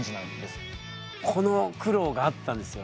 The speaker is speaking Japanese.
この苦労があったんですよ